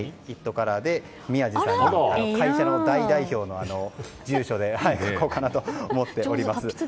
カラーで宮司さんの会社の代表の住所で書こうかなと思っております。